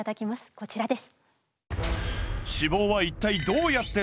こちらです。